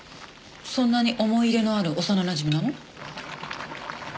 そんなに思い入れのある幼なじみなの？